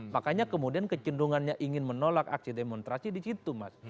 makanya kemudian kecenderungannya ingin menolak aksi demonstrasi di situ mas